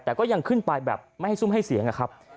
แต่ก็ยังขึ้นไปแบบไม่ให้ซุ่มให้เสียงนะครับ